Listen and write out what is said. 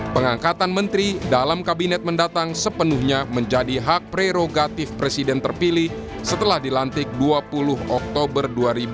pengangkatan menteri dalam kabinet mendatang sepenuhnya menjadi hak prerogatif presiden terpilih setelah dilantik dua puluh oktober dua ribu dua puluh